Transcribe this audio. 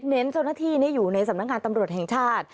เจ้าหน้าที่อยู่ในสำนักงานตำรวจแห่งชาติ